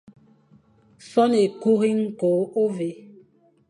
Son ékuri, ñko, ôvè,